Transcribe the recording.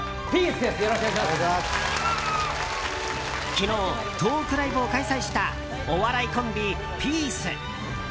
昨日、トークライブを開催したお笑いコンビ・ピース。